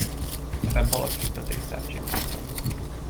Ebben palacsintatésztát csináltam!